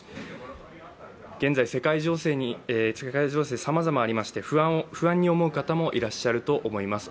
現在、世界情勢さまざまありまして不安に思う方もいらっしゃるかと思います。